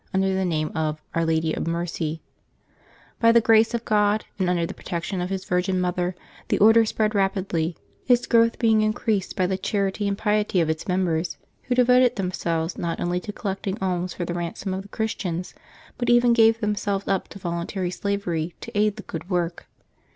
under the name of Our Lady of Mercy, By the grace of God, and under the protection of His Virgin Mother, the Order spread rap idly, its growth being increased by the charity and piety of its members, who devoted themselves not only to collecting alms for the ransom of the Christians, but even gave them selves up to voluntary slavery to aid the good work.